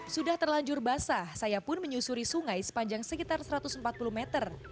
sudah terlanjur basah saya pun menyusuri sungai sepanjang sekitar satu ratus empat puluh meter